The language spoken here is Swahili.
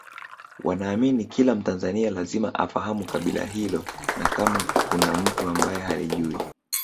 wanaamini kila mtanzania lazima afahamu kabila hilo na kama kuna mtu ambaye halijui